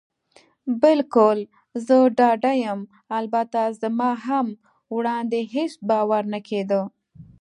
بلکل، زه ډاډه یم. البته زما هم وړاندې هېڅ باور نه کېده.